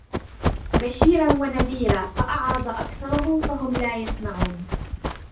بشيرا ونذيرا فأعرض أكثرهم فهم لا يسمعون